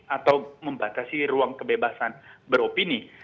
atau membatasi ruang kebebasan beropini